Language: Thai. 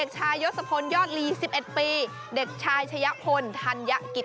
จากโภตราต่าง